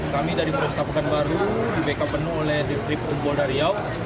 kami dari polres tapekanbaru di bk penuh oleh dikrip umbol dari riau